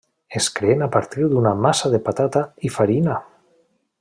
Es creen a partir d'una massa de patata i farina.